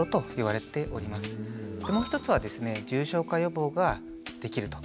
もう一つはですね重症化予防ができると。